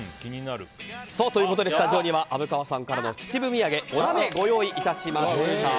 スタジオには虻川さんからの秩父土産おなめ、ご用意いたしました。